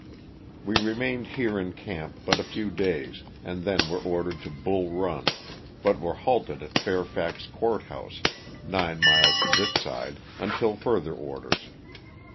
We re mained here in camp but a few days and then were or dered to Bull Run, but were halted at Fairfax Court House, nine miles this side, until further orders.